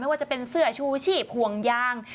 ว่าจะเป็นเสื้อชูชีพห่วงยาง